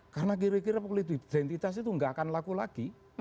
karena kira kira identitas itu tidak akan laku lagi